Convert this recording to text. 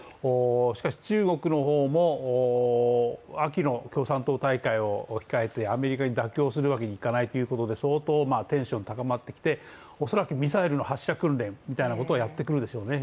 しかし中国の方も、秋の共産党大会を控えてアメリカに妥協するわけにいかないということで、相当テンションが高まってきて恐らく、ミサイルの発射訓練みたいなことはやってくるでしょうね。